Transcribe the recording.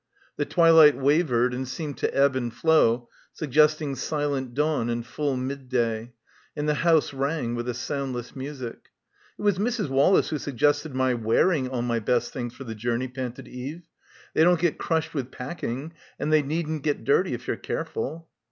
The twilight wavered and seemed to ebb and flow* suggesting silent dawn and full midday, and the house rang with a soundless music. "It was Mrs. Wallace who suggested my wearing all my best things for the journey," panted Eve; "they don't get crushed with pack ing and they needn't get dirty if you're careful."